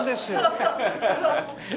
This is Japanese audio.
ハハハハ！